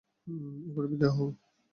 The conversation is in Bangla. এবার বিদায় হও!